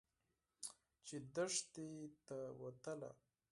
چې دښتې ته وتله.